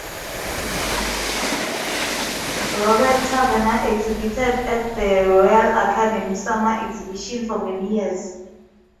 Robert Tavener exhibited at the Royal Academy Summer Exhibition for many years.